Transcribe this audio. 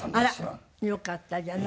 あら！よかったじゃない。